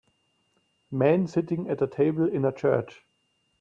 Men sitting at a table in a church.